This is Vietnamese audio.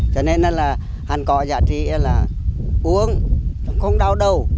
cho nên là hành có giá trị là uống không đau đau